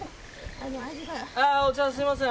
ああお茶もすいません。